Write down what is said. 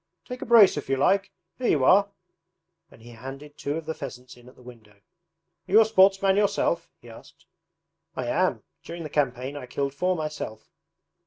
'Take a brace if you like! Here you are,' and he handed two of the pheasants in at the window. 'Are you a sportsman yourself?' he asked. 'I am. During the campaign I killed four myself.'